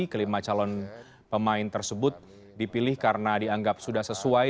kelima calon pemain tersebut dipilih karena dianggap sudah sesuai